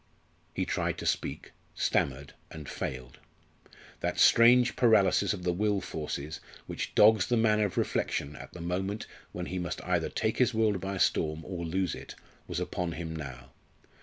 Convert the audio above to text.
He tried to speak, stammered, and failed. That strange paralysis of the will forces which dogs the man of reflection at the moment when he must either take his world by storm or lose it was upon him now.